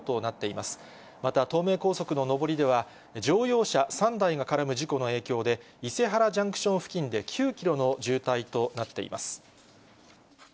また東名高速の上りでは、乗用車３台が絡む事故の影響で、伊勢原ジャンクション付近で９キロの渋滞となっています。